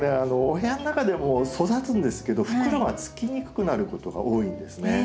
お部屋の中でも育つんですけど袋がつきにくくなることが多いんですね。